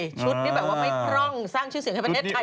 ชุดที่แบบว่าไม่พร่องสร้างชื่อเสียงให้ประเทศไทย